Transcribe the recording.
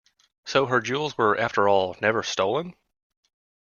So her jewels were, after all, never stolen?